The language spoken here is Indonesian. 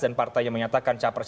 dan partai yang menyatakan capres